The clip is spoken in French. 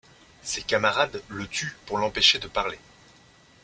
Ses camarades le tuent pour l'empêcher de parler.